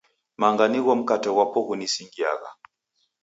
Manga nigho mkate ghwapo ghunisingiagha.